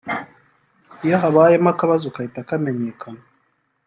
iyo habayemo akabazo gahita kamenyekana